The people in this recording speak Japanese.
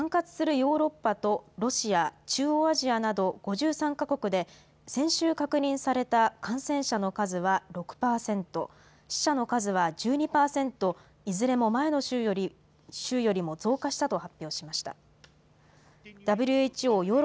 ＷＨＯヨーロッパ地域事務局は、４日、管轄するヨーロッパとロシア、中央アジアなど５３か国で、先週確認された感染者の数は６％、死者の数は１２％、いずれも前の週よりも増加したと発表しました。